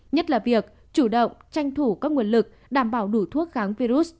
nhất là việc chủ động tranh thủ các nguồn lực đảm bảo đủ thuốc kháng virus